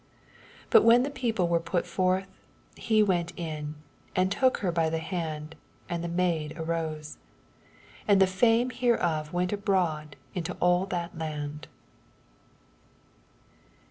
25 But when tee people weie pal forth, he went in, and took her by the hand, and the maid arose. 26 And the fame hereof went abroad into all that land.